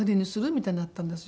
みたいになったんですよ。